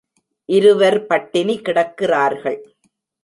இருவர் பட்டினி கிடக்கிறார்கள்.